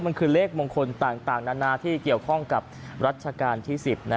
มันคือเลขมงคลต่างนานาที่เกี่ยวข้องกับรัชกาลที่๑๐